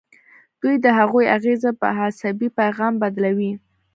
دوی د هغوی اغیزه په عصبي پیغام بدلوي.